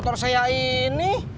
jadi sejauh ini